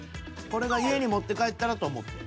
これが家に持って帰ったらと思って。